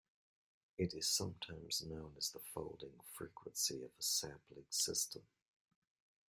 It is sometimes known as the folding frequency of a sampling system.